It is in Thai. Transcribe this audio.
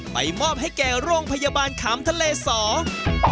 มอบให้แก่โรงพยาบาลขามทะเลสอง